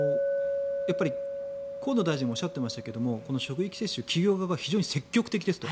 河野大臣もおっしゃっていましたが職域接種企業側が非常に積極的ですと。